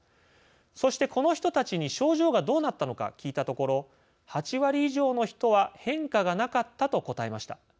そしてこの人たちに症状がどうなったのか聞いたところ８割以上の人は「変化はなかった」と答えました。